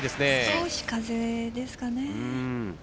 少し風ですかね。